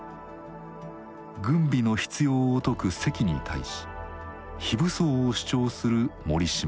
軍備の必要を説く関に対し非武装を主張する森嶋。